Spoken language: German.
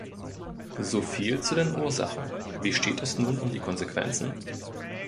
Soviel zu den Ursachen, wie steht es nun um die Konsequenzen?